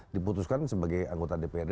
diputuskan sebagai anggota dprd